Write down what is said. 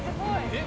えっ？